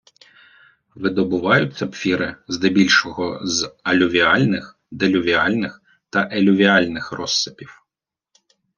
Видобувають сапфіри здебільшого з алювіальних, делювіальних та елювіальних розсипів